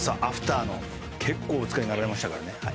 アフターの結構お使いになられましたからね。